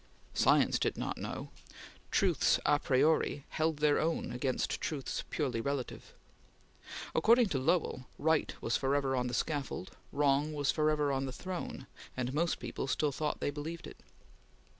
Science did not know. Truths a priori held their own against truths surely relative. According to Lowell, Right was forever on the scaffold, Wrong was forever on the Throne; and most people still thought they believed it.